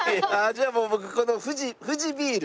じゃあもう僕この富士ビール。